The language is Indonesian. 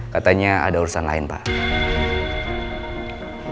katanya ada urusan lain pak